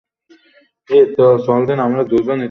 দেখানোর মতো আসলে কিছুই নেই।